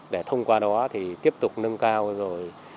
để thông qua đó tiếp tục nâng cao